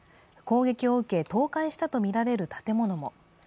攻撃を受け、倒壊したとみられる建物も。